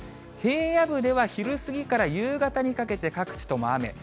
平野部では昼過ぎから夕方にかけて、各地とも雨。